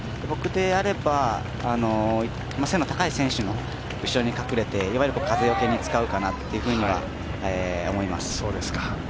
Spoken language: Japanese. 僕であれば背の高い選手の後ろに隠れていわゆる風よけに使うかなというふうには思います。